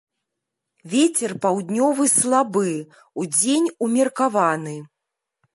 Вецер паўднёвы слабы, удзень умеркаваны.